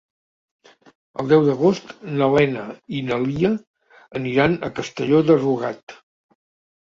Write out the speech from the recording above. El deu d'agost na Lena i na Lia aniran a Castelló de Rugat.